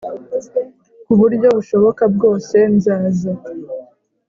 ku buryo bushoboka bwose nzaza.